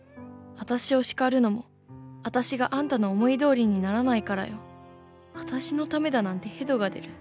あたしを叱るのもあたしがあんたの思い通りにならないからよ。あたしのためだなんて反吐が出る。